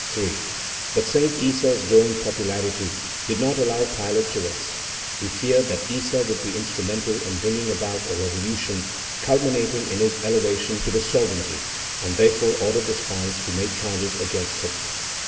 3. But Saint Issa's growing popularity did not allow Pilate to rest. He feared that Issa would be instrumental in bringing about a revolution culminating in his elevation to the sovereignty, and, therefore, ordered the spies to make charges against him.